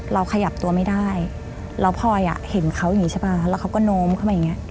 ขยับตัวไม่ได้แล้วพลอยอ่ะเห็นเขาอย่างนี้ใช่ป่ะแล้วเขาก็โน้มเข้ามาอย่างเงี้